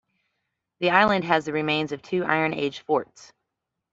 The island has the remains of two Iron Age forts.